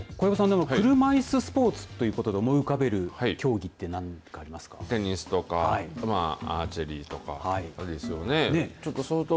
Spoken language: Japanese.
小藪さん、車いすスポーツということで思い浮かべる競技ってテニスとかまあ、アーチェリーとかありますよね。